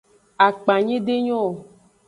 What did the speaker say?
Akpanyi de nyo o.